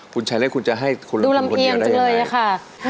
คุณชายเล่นคุณจะให้คุณลำอินคนเดียวได้ยังไงค่ะดูลำอินจริงเลย